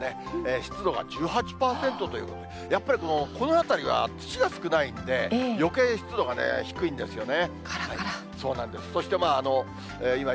湿度が１８％ということで、やっぱりこの、この辺りは土が少ないんで、よけい、湿度がね、低いんですよね。